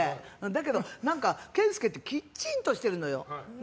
だけど、健介ってきちんとしてるのよ。